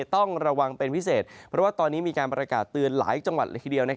ต้องระวังเป็นพิเศษเพราะว่าตอนนี้มีการประกาศเตือนหลายจังหวัดละทีเดียว